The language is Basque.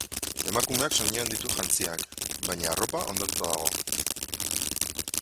Emakumeak soinean ditu jantziak, baina arropa hondatuta dago.